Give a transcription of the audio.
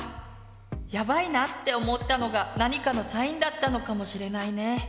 「やばいな」って思ったのが何かのサインだったのかもしれないね。